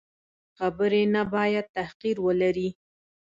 خبرې نه باید تحقیر ولري.